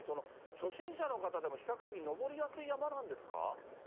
初心者の方でも比較的登りやすい山なんですか。